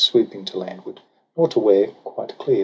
Swooping to landward ; nor to where, quite clear.